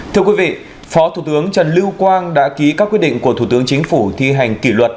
thưa quý vị phó thủ tướng trần lưu quang đã ký các quyết định của thủ tướng chính phủ thi hành kỷ luật